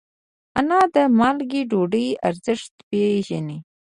انا د مالګې ډوډۍ ارزښت پېژني